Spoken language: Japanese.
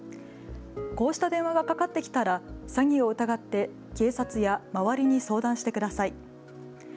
こうした電話がかかってきたら詐欺を疑って警察や周りに相談してください。